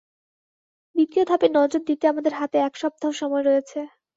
দ্বিতীয় ধাপে নজর দিতে আমাদের হাতে এক সপ্তাহ সময় রয়েছে।